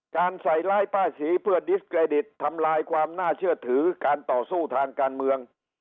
การใส่ร้ายป้าศรีเพื่อดิสเครดิตทำลายความน่าเชื่อถือการต่อสู้ทางการเมือง